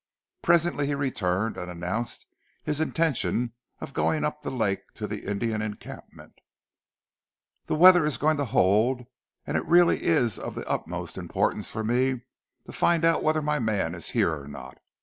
Presently he returned and announced his intention of going up the lake to the Indian encampment. "The weather is going to hold, and it really is of the utmost importance for me to find out whether my man is here or not.